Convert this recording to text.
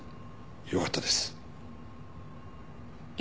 よかったです。